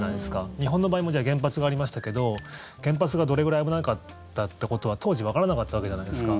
日本の場合も原発がありましたけど原発がどれぐらい危なかったってことは当時わからなかったわけじゃないですか。